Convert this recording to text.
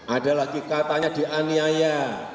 ada lagi katanya dianiaya